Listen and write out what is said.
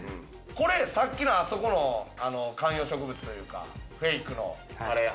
さっきのあそこの観葉植物というか、フェイクの。